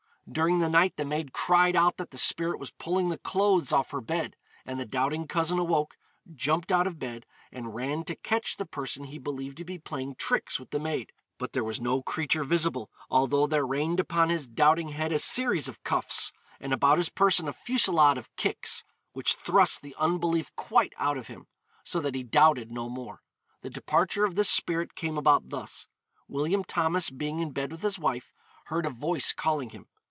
During the night the maid cried out that the spirit was pulling the clothes off her bed, and the doubting cousin awoke, jumped out of bed, and ran to catch the person he believed to be playing tricks with the maid. But there was no creature visible, although there rained upon his doubting head a series of cuffs, and about his person a fusillade of kicks, which thrust the unbelief quite out of him, so that he doubted no more. The departure of this spirit came about thus: William Thomas being in bed with his wife, heard a voice calling him.